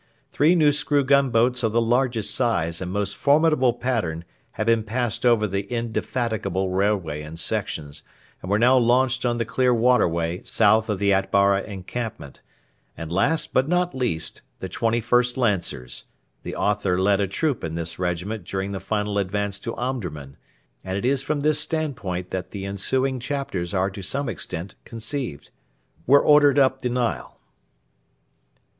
Three new screw gunboats of the largest size and most formidable pattern had been passed over the indefatigable railway in sections, and were now launched on the clear waterway south of the Atbara encampment; and last, but not least, the 21st Lancers [The author led a troop in this regiment during the final advance to Omdurman; and it is from this standpoint that the ensuing chapters are to some extent conceived] were ordered up the Nile.